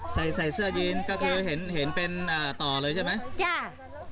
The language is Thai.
ใส่เสื้อยืนก็คือเห็นเป็นต่อเลยใช่ไหม